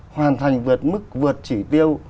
hoàn thành vượt mức vượt chỉ tiêu